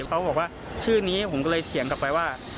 เขาบอกว่าชื่อนี้ผมก็เลยเถียงกลับไปว่า